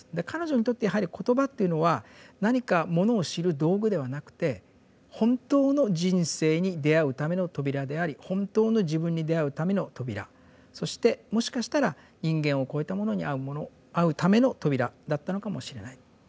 彼女にとってやはり言葉というのは何かものを知る道具ではなくて本当の人生に出会うための扉であり本当の自分に出会うための扉そしてもしかしたら人間をこえたものに会うための扉だったのかもしれない。